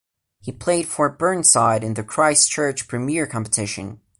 He played for Burnside in the Christchurch premier competition.